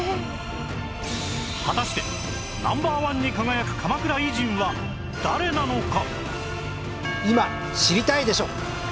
果たして Ｎｏ．１ に輝く鎌倉偉人は誰なのか？